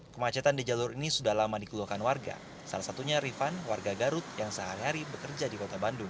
kemacetan di jalur ini sudah lama dikeluarkan warga salah satunya rifan warga garut yang sehari hari bekerja di kota bandung